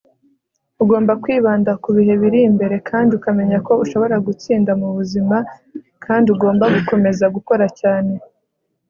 ugomba kwibanda ku bihe biri imbere kandi ukamenya ko ushobora gutsinda mu buzima, kandi ugomba gukomeza gukora cyane